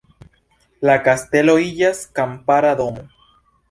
La kastelo iĝas kampara domo.